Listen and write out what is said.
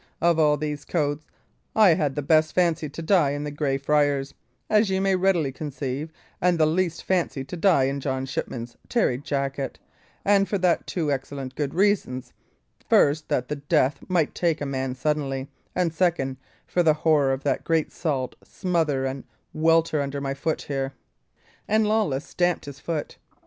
Of all these coats, I had the best fancy to die in the Grey Friar's, as ye may readily conceive, and the least fancy to die in John Shipman's tarry jacket; and that for two excellent good reasons: first, that the death might take a man suddenly; and second, for the horror of that great, salt smother and welter under my foot here" and Lawless stamped with his foot.